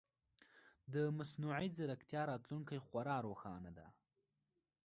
د مصنوعي ځیرکتیا راتلونکې خورا روښانه ده.